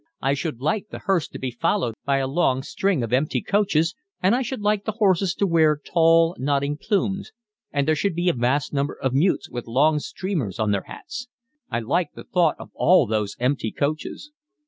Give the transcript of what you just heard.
I should like the hearse to be followed by a long string of empty coaches, and I should like the horses to wear tall nodding plumes, and there should be a vast number of mutes with long streamers on their hats. I like the thought of all those empty coaches."